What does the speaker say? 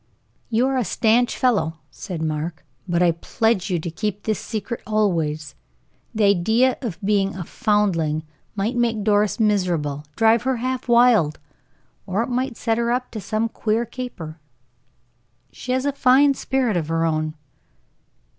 "You are a stanch fellow," said Mark. "But I pledge you to keep this secret always. The idea of being a foundling might make Doris miserable, drive her half wild. Or it might set her up to some queer caper. She has a fine spirit of her own."